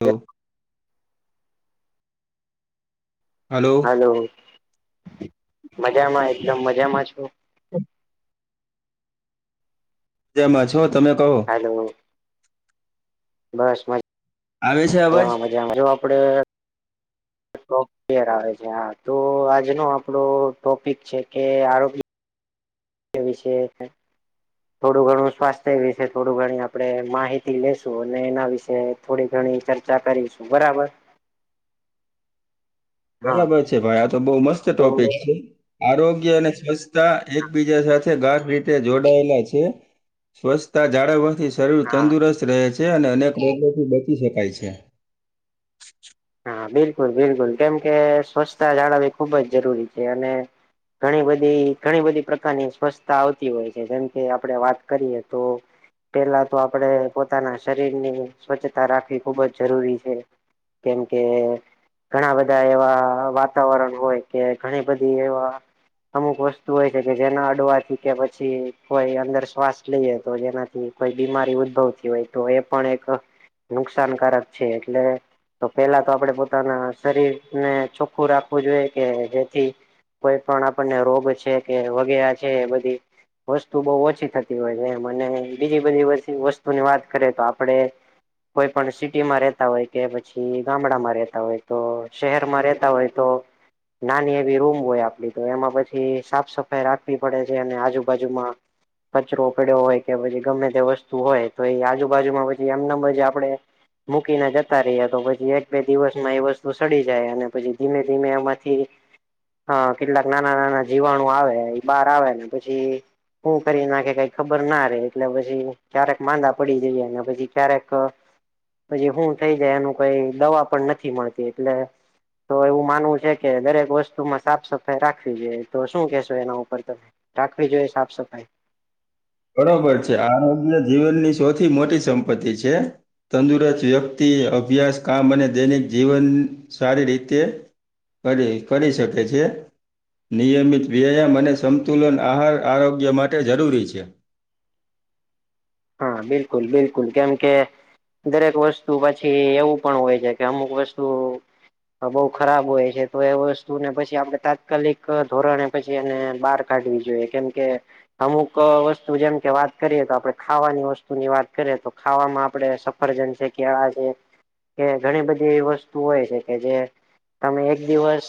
તો. Hello. Hello મજામાં એકદમ મજામાં છું. હમ. જેમાં છો તમે કહો. હલો. બસ મજ આવે છે અવાજ? જા મજામાં જોઆપડે આવે છે હા તો આજનો આપણો ટોપિક છે કે આરોગી એ વિષય છે. થોડું ઘણું સ્વાસ્થ્ય વિશે થોડું ઘણી આપડણે માહિતી લેશું અને એના વિશેે થોડી ઘણી ચર્ચા કરીશું બરાબર. હા બરાબર છે ભાઈ આ તો બહુ મસ્ત તો ટોપિક છે આરોગ્ય અને સ્વચ્છતા એકબીજા સાથે ગાઢ રીતે જોડાયેલા છે સ્વચ્છતા જાળવવાથી શરીર હા તંદુરસ્ત રહે છે. તે અનેક રોગોથી બચી શકાય છે. હા બિલકુલ બિલકુલ કેમ કે સ્વચ્છતા જાળવવી ખુબ જ જરૂરી છે અને ઘણી બધી ઘણી બધી પ્રકારની સ્વસ્થતા આવતી હોય છે જેમકે આપડે વાત કરીએ તો પેલા તો આપણેે પોતાના શરીર ની સ્વચ્છતા રાખવી ખુબ જ જરૂરી છે. કેમ કે. ઘણા બધા એવા વાતાવરણ હોય કે ઘણી બધી એવા અમુક વસ્તુ હોય છે કે જેના અડવાથી કે પછી કોઈ અંદર શ્વાસ લઈએ તો જેનાથી કોઈ બીમારી ઉદ્ભવતી હોય તો એ પણ એક નુકસાનકારક છે એટલે તો પેલા તો આપણેે પોતાના શરીરને ચોખ્ખું રાખવું જોઈએ કે જેથી કોઈ પણ આપણને રોગ છે કે વગેરે છે બધી વસ્તુ બહુ ઓછી થતી હોય છે એમ અને બીજી બધીી વસ્તુની વાત કરી તો આપડે કોઈ પણ સિટીમાં રેતા હોય કે પ પછી ગામડામાં રહેતા હોય તો શહેરમાં રહેતા હોય તો. નાની એવી રૂમ હોય આપડી તો એમાં પછી સાફ સફાઈ રાખવી પડે છે અને આજુબાજુમાં કચરો પડ્યો હોય કે પછી ગમે તે વસ્તુ હોય તો એ આજુબાજુમાં પછી એમના આપણે મુૂકી ને જતા રહીએ તો પછી એક બે દિવસમાં એ વસ્તુ સડી જાય અને પછી ધીમે ધીમે એમાંથી હા કેટલાક નાના નાના જીવાણુ આવે બહાર આવે ને પછી હુ કરી નાખે કઈ ખબર ના રે એટલે પછી ક્યારેક માંદા પડી જઈએ અને પછી ક્યારેક પછી હું થઈ જાય એનું કઈ દવા પણ નથી મળતી એટલે તો એવું માનવું છે કે દરેક વસ્તુમાં સાફ સફાઈ રાખવી જોઈએ તો શું કેહેશો એના ઉપર તમે રાખવી જોઈએ સાફ સફાઈ બરોબર છે આરોગ્ય જીવનની સૌથી મોટી સંપત્તિ છે તંદુરસ્ત વ્યક્તિ અભ્યાસ કામ અને દૈનિક જીવન સારી રીતે કરી કરી શકે છે નિયમિત વ્યાયામ અને સમતુલન આહાર આરોગ્ય માટે જરૂરી છે હા બિલકુલ બિલકુલ કેમ કે દરેક વસ્તુ પછી એવું પણ હોય છે કે અમુક વસ્તુ બહુ ખરાબ હોય છે તો એ વસ્તુ ને પછી આપડણે તાત્કાલિક ધોરણે પછી એને બહાર કાઢવી જોઈએ કેમકે અમુક વસ્તુ જેમ કે વાત કરીએ તો આપડે ખાવાની વસ્તુ ની વાત કરીએ તો ખાવામાં આપણે સફરજન છે કેળા છે કે ઘણી બધી એવી વસ્તુ હોય છે કે જે તમે એક દિવસ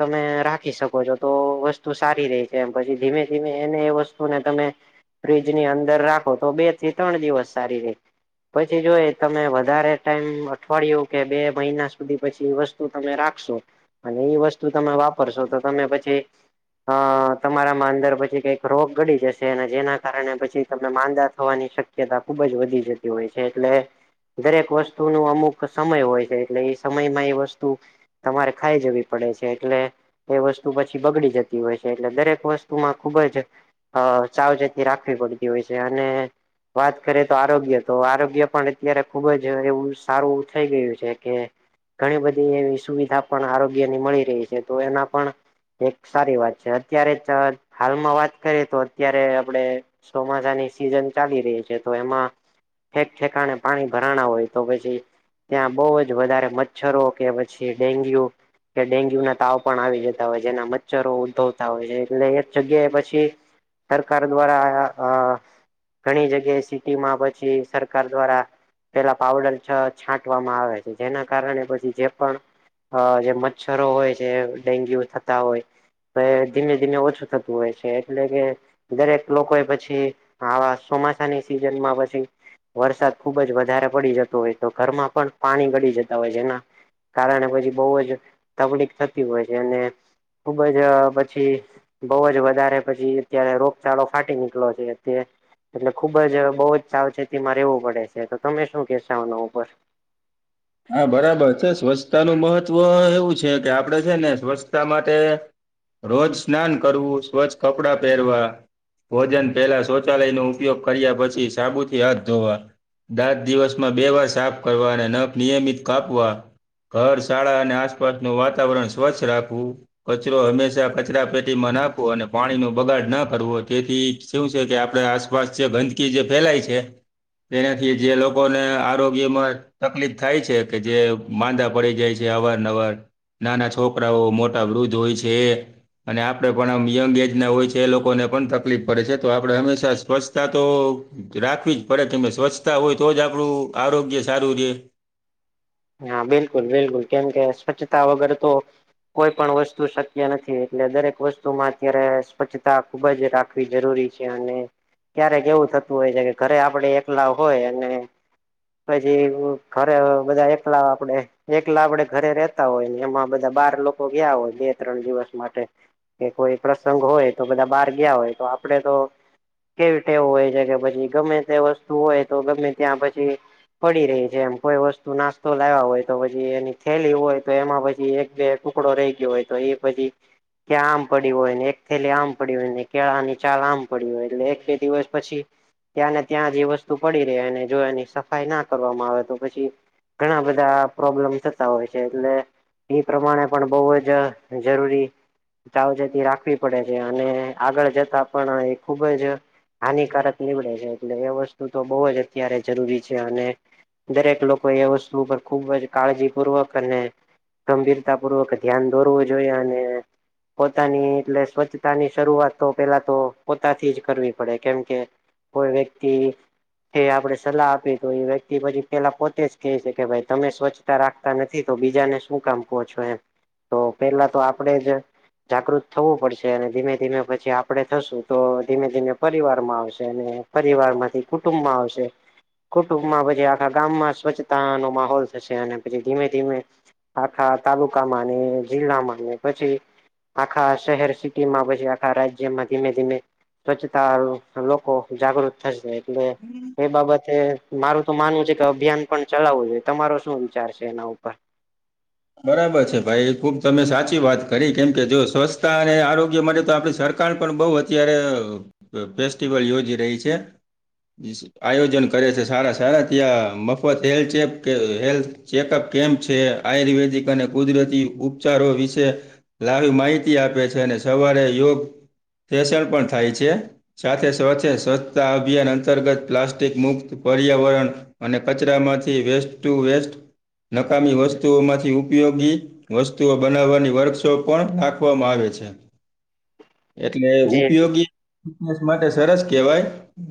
તમે રાખી શકો છો તો વસ્તુ સારી રે કેમ પછી ધીમે ધીમે એને એ વસ્તુને તમે ફ્રીજ ની અંદર રાખો તો બે થી ત્રણ દિવસ સારી રે પછી જોઈ તમે વધારે ટાઈમ અઠવાડિયું કે બે મહિના સુધી પછી વસ્ તુ તમે રાખશો અને એ વસ્તુ તમે વાપરશો તો તમે પછી અ તમારામાં અંદર પછી કઈક રોગ ગડી જશે અને જેના કારણે પછી તમે માંદા થવાની શક્યતા ખુબ જ વધી જતી હોય છે એટલે દરેક વસ્તુ નું અમુક સમય હોય છે એટલે એ સમયમાં એ વસ્તુ તમારે ખાઈ જવી પડે છે એટલે એ વસ્તુ પછી બગડી જતી હોય છે એટલે દરેક વસ્તુમાં ખુબ જ હ ચાવચેતી રાખવી પડતી હોય છે અને વાત કરીે તો આરોગ્ય તો આરોગ્ય પણ અત્યારે ખુબ જ એવું સારું થઈ ગયું છે કે ઘણી બધી એવી સુવિધા પણ આરોગ્ય ની મળી રહી છે તો એના પણ એક સારી વાત છે અત્યારે હાલમાં વાત કરીએ તો અત્યારે આપડે ચોમાસા સીઝન ચાલી રહી છે તો એમાં ઠેકઠેકાણે પાણી ભરાણા હોય તો પછી ત્યાં બહુ જ વધારે મચ્છરો કે પછી ડેન્ગ્યુ કે ડેન્ગ્યુ ના તાવ પણ આવી જતા હોય જેના મચ્છરો ઉદભવતા હોય છે એટલે એક જગ્યાએ પછી સરકાર દ્વારા આ અ ઘણી જગ્યાએ સિટીમાં પછી સરકાર દ્વારા પેલા પાવડર છ છાંટવામાં આવે છે જેના કારણે પછી જે પણ અ જે મચ્છરો હોય જે ડેન્ગ્યુ થતા હોય તો ધીમે ધીમે ઓછું થતું હોય છે એટલે કે દરેક લોકો એ પછી આવા ચોમાસાની સિઝન માં પછી વરસાદ ખુબ જ વધારે પડી જતો હોય તો ઘરમાં પણ પાણી ગડી જતા હોય જેના કારણે પછી બહુ જ તકલીફ થતી હોય છે અને ખુબ જ પછી બઉ જ વધારે પછી અત્યારે રોગચાળો ફાટી નીકળ્યો છે તે એટલે ખુબ જ બઉુ જ સાવચેતીમાં રહેવું પડે છે તો તમે શું કેશો આના ઉપર હા બરાબર છે સ્વચ્છતા નું મહત્વ એવું છે કે આપડે છે ને સ્વચ્છતા માટે રોજ સ્નાન કરવું સ્વચ્છ કપડાં પહેરવા ભોજન પહેલા શૌચાલયનો ઉપયોગ કર્યા પછી સાબુથી હાથ ધોવા દાંત દિવસમાં બે વાર સાફ કરવા અને નખ નિયમિત કાપવા ઘર શાળા અને આસપાસ નું વાતાવરણ સ્વચ્છ રાખવું કચરો હંમેશા કચરા પેટીમાં નાખવો અને પાણી નો બગાડ ના કરવો તેથી શું છે કે આપે આસપાસ જે ગંદકી જે ફેલાય છે તેનાથી જે લોકોને આરોગ્યમાં તકલીફ. થાય છે કે જે માંદા પડી જાય છે અવરનવર. નાના છોકરાઓ મોટા વૃદ્ધ હોય છે. અને આપડણે પણ આમ યંગ એજ ના હોય છે એ લોકોને પણ તકલીફ પડે છે તો આપણેે હંમેશા સ્વચ્છતા તો. રાખવીજ પડે ત સ્વચ્છતા હોય તોજ આપડું આરોગ્ય સારું રે. હા બિલકુલ બિલકુલ કેમ કે સ્વચ્છતા વગર તો. કોઈ પણ વસ્તુ શક્ય નથી એટલે દરેક વસ્તુમાં અત્યારે સ્વચ્છતા. ખુબજ રાખવી જરૂરી છે અને. ક્યારેક એવું થતું હોય છે કે ઘરે આપડ એકલા હોય અને. પછી ખરે બધા એકલા આપડે. એકલા આપડે ઘરે રતા હોય ને એમાં બધા બાર લોકો ગયા હોય બે ત્રણ દિવસ માટે. કે કોઈ પ્રસંગ હોય તો બધા બહાર ગયા હોય તો આપડે તો. કેવી ટેવું હોય છે કે પછી ગમે તે વસ્તુ હોય તો ગમે ત્યાં પછી. પડી રહી છે એમ કોઈ વસ્તુ નાખ. લાવવા હોય તો પછી એની થેલી હોય તો એમાં પછી એક બે ટુકડો રહી ગયો હોય તો એ પછી. કાયાં આમ પડી હોય ને એક થેલી આમ પડી હોય ને કેળા ની ચાલ આમ પડી હોય એટલે એક બે દિવસ પછી. ત્યાંને ત્યાં જ ઈ વસ્તુ પડી રને જો એની સફાઈ ના કરવામાં આવે તો પછી. ઘણા બધા પ્રોબ્લેમ થતા હોય છે એટલે. એ પ્રમાણે પણ બહુજ જરૂરી. સાવચેતી રાખવી પડે છે અને આગળ જતા પણ એ ખુબજ. હાનિકારક નીવડે છે એટલે એ વસ્તુ તો બહુજ અત્યારે જરૂરી છે અને. દરેક લોકો એ વસ્તુ પર ખૂબજ કાળજીપૂર્વક અને. ગંભીરતા પૂર્વક ધ્યાન દોરવું જોઈએ અને. પોતાની એટલે સ્વચ્છતાની શરૂઆત તો પેલા તો પોતાથીજ કરવી પડે કેમકે. કોઈ વ્યક્તિ એ આપણેે સલાહ આપી તો એ વ્યક્તિ પછી પેલા પોતેજ. કે છે કે ભાઈ તમે સ્વચ્છતા રાખતા નથી તો બીજાને શું કામ કહો છો એમ. તો પેલા તો આપણેેજ. જાગૃત થવું પડશે અને ધીમે ધીમે પછી આપડે થશું તો ધીમે ધીમે પરિવાર માં આવશે અને. પરિવાર માંથી કુટુંબમાં આવશે કુટુંબમાં પછી આખા ગામમાં સ્વચછ. તા નો માહોલ થશે અને પછી ધીમે ધીમે. આખા તાલુકા માં ને જિલ્લામાં ને પછી. આખા શહેર સિટીમાં પછી આખા રાજ્યમાં ધીમે ધીમે. સ્વચ્છતા લોકો. જાગૃત થશે એટલે એ બાબતે મારું તો માનવું છે કે અભિયાન. પણ ચલાવવું જોઈએ તમારો શું વિચાર છે એના ઉપર. બરાબર છે ભાઈ ખુબ તમે સાચી વાત કરી કેમ કે જો સ્વચ્છતા અને આરોગ્ય માટે તો આપણી સરકાર. સરકાર પણ બૌ અત્યારે ફેસ્ટિવલ યોજી રહી છે. આયોજન કરે છે સારા સારા ત્યાં મફત હેલ્પ ચેપ કે હેલ્થ. ચેકઅપ કેમ્પ છે. આયુર્વેદિક અને કુદરતી ઉપચારો વિશે લાવી માહિતી આપે છે, અને સવારે યોગ પ્રેશર પણ થાય છે. સાથે સાથે સ્વચ્છતા અભિયાન અંતર્ગત પ્લાસ્ટિક મુક્ત પર્યાવરણ અને કચરા માંથી વેસ્ટ ટુ વેસ્ટ નકામી વસ્તુઓમાંથી. ઉપયોગી વસ્તુઓ બનાવવાની વર્કશોપ પણ રાખવામાં આવે છે. એટલે જે ઉપયોગી. ફિટનેસ માટે સરસ કેવાય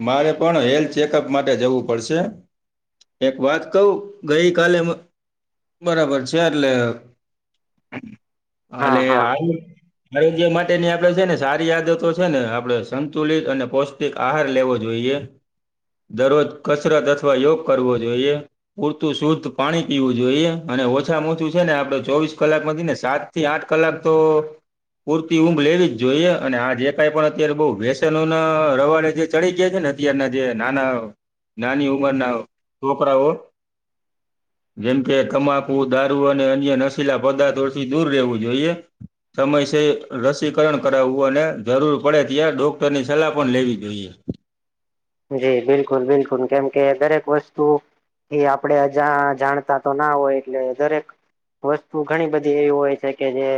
મારે પણ હેલ્થ ચેકઅપ માટે જવું પડશે. એક વાત કવું ગઈ કાલે બરાબર છે. એટલે હા આલે હા આલ. આરોગ્ય માટેની આપડે છે ને સારી આદતો છે ને આપડે સંતુલિત અને પોષ. પૌષ્ટિક આહાર લેવો જોઈએ દરરોજ કસરત અથવા યોગ કરવો જોઈએ. પૂરતું શુદ્ધ પાણી પીવું જોઈએ અને ઓછું. ઓછા ઓછું છે ને આપડે ચોવીસ કલાક માંથી ને સાત થી આઠ કલાક તો. પૂરતી ઊંઘ લેવીજ જોઈએ અને આજે કઈ પણ અત્યારે બઉ વ્યસનો ના રવાડેજે ચડી ગયા છે ને. અત્યાર ના જે નાના નાની ઉમરના છોકરાઓ. જેમ કે તમાકુ દારૂ અને અન્ય નશીલા પદાર્થોથી દૂર રહેવું જોઈએ. સમય સે રસીકરણ કરાવવું અને જરૂર પડે ત્યાં ડોક્ટરની સલાહ પણ લેવી જોઈએ. જી બિલકુલ બિલકુલ કેમ કે દરેક વસ્તુ એ આપડે અજા જાણતા તો ના હોય એટલે દરેક વસ્તુ ઘણી બધી એવી હોય છે, કે જે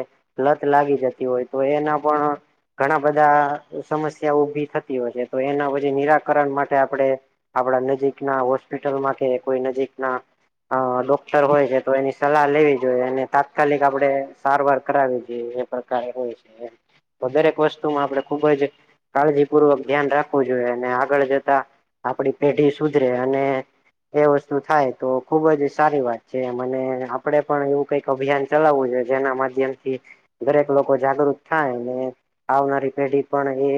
લત લાગી જતી હોય. તો એના પણ ઘણા બધા સમસ્યા ઉભી થતી હોય છે. તો એના વધી નિરા કરણ માટે આપણે આપડા નજીક ના હોસ્પિટલમાં કોઈ નજીકના અ ડોક્ટર હોય છે. તો એની સલાહ લેવી જોઈએ, એને તાત્કાલિક આપડે સારવાર કરાવવી જોઈએ. [unintelligible] તો દરેક વસ્તુમાં આપણે ખુબ જ કાળજીપૂર્વક ધ્યાન રાખવું જોઈએ, અને આ આગળ જતા આપણી પેઢી સુધરે અને એ વસ્તુ થાય તો ખુબ જ સારી વાત છે. મને આપડે પણ એવું કંઈક અભિયાન ચલાવવું જોઈએ. જેના માધ્યમ થી દરેક લોકો જાગૃત થાય ને આવનારી પેઢી પણ એ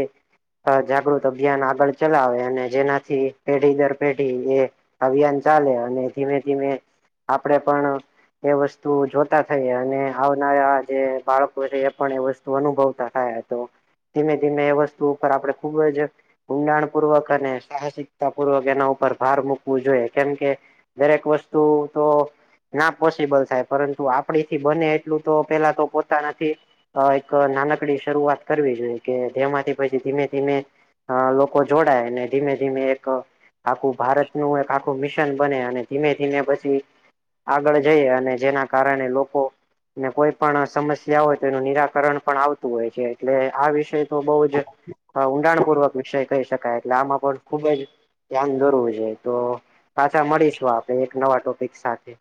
જાગૃત અભિયાન આગળ ચલાવે અને જેનાથી પેઢી દર પેઢી એ અભિયાન ચાલે અને ધીમે ધીમે આપડે પણ એ વસ્તુ જોતા થઈ અને આવનારા જે બાળકો છે. એ પણ એ વસ્તુ અનુભવતા થાય તો ધીમે ધીમે એ વસ્તુ ઉપર આપણે ખુબ જ ઊંડાણ પૂર્વક અને સાહસિકતા પૂર્વક એના ઉપર ભાર મૂકવું જોઈએ, કેમકે દરેક વસ્તુ તો ના પોસિબલ થાય, પરંતુ આપડી થી બને એટલું તો પેલા તો પોતાના થી અ એક નાનકડી શરૂઆત કરવી જોઈએ કે જેમાંથી પછી ધીમે-ધીમે અ લો લોકો જોડાય અને ધીમે ધીમે એક આખું ભારતનું એક આખું મિશ મિશન બને અને ધીમે-ધીમે પછી આગળ જઈ અને જેના કારણે લોકો ને કોઈ પણ સમસ્યા હોય તો એનું નિરાકરણ પણ આવતું હોય છે, એટલે આ વિશે તો બહુ જ ઊંડાણપૂર્વક વિષય કહી શકાય એટલે આમાં પણ ખુબ જ ધ્યાન દોરવું જોઈએ તો પાછા મળીશું આપણે એક નવા ટોપિક સાથે.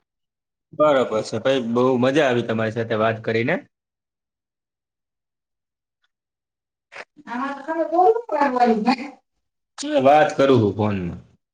બરોબર છે ભાઈ. બહુ મજા આવી તમારી સાથે વાત કરીને. [unintelligible] વાત કરું હું ફોનમાં